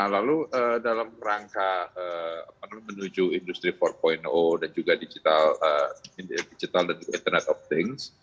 lalu dalam rangka menuju industri empat dan juga digital dan juga internet of things